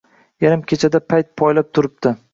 Yarim kechada payt poylab turibdi